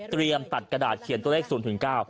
ตัดกระดาษเขียนตัวเลข๐๙